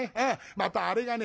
またあれがね